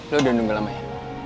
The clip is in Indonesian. lu sudah menunggu lama ya